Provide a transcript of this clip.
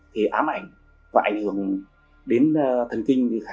thì ám ảnh và ảnh hưởng đến thần kinh thì khả năng ngủ say này rất thấp